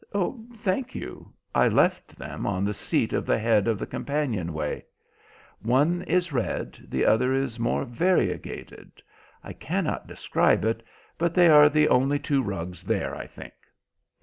"Thank you. I left them on the seat at the head of the companion way. One is red, the other is more variegated; I cannot describe it, but they are the only two rugs there, I think."